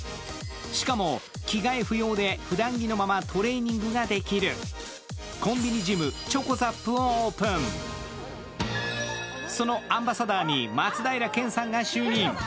しかも、着替え不要でふだん着のままトレーニングができるコンビニジム、ｃｈｏｃｏＺＡＰをオープンそのアンバサダーに松平健さんが就任。